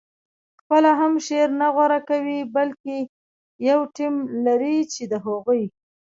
خپله هم شعر نه غوره کوي بلکې یو ټیم لري چې د هغوی